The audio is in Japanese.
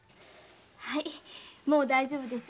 もう大丈夫です。